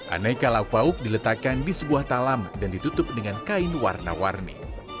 aneka lauk pauk diletakkan di sebuah talam dan ditutup dengan kain warna warni